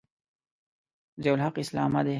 ضیأالحق اسلامه دی.